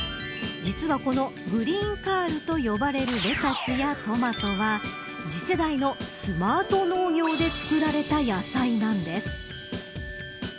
実はこのグリーンカールと呼ばれるレタスやトマトは次世代のスマート農業で作られた野菜なんです。